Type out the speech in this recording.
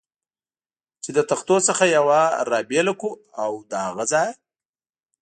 چې له تختو څخه یوه را بېله کړو او له هغه ځایه.